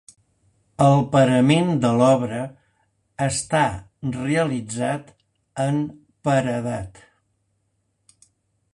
El parament de l'obra està realitzat amb paredat.